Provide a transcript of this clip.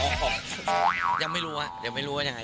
ยังไม่รู้ยังไม่รู้ยังไม่รู้ว่าอย่างไร